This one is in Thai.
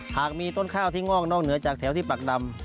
หากมีต้นข้าวที่งอกนอกเหนือจากแถวที่ปักดำ